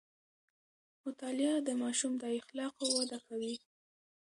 مطالعه د ماشوم د اخلاقو وده کوي.